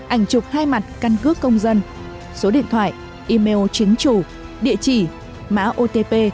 ảnh chụp hai mặt căn cước công dân số điện thoại email chính chủ địa chỉ mã otp